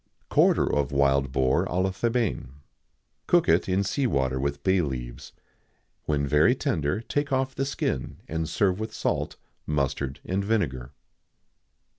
[XIX 80] Quarter of Wild Boar à la Thébaine. Cook it in sea water with bay leaves. When very tender take off the skin, and serve with salt, mustard, and vinegar.